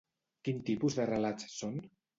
Quin tipus de relats són?